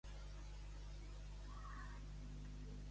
És devoció excel·lent missa oir devotament.